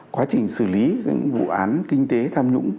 quá trình xử lý những vụ án kinh tế tham nhũng